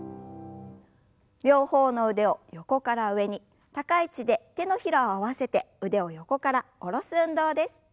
両方の腕を横から上に高い位置で手のひらを合わせて腕を横から下ろす運動です。